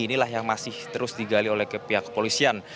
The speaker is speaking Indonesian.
inilah yang masih terus digali oleh pihak kepolisian